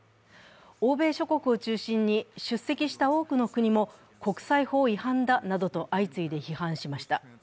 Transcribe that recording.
欧米諸国を中心に出席した多くの国も、国際法違反だなどと相次いで批判しました。